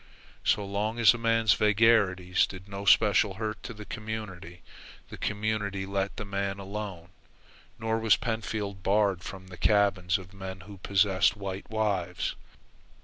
So long as a man's vagaries did no special hurt to the community, the community let the man alone, nor was Pentfield barred from the cabins of men who possessed white wives.